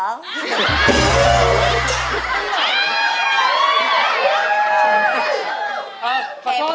ครับ